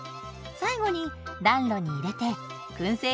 最後に暖炉に入れて燻製